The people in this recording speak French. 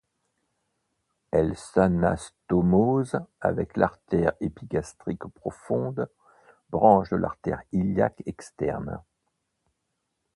Elle s'anastomose avec l'artère épigastrique profonde, branche de l'artère iliaque externe.